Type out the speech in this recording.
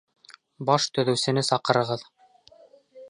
Баш төҙөүсене саҡырығыҙ!